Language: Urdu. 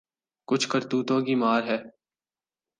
کچھ کرتوتوں کی مار ہے۔